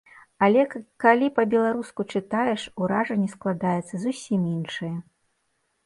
Але калі па-беларуску чытаеш, уражанне складаецца зусім іншае!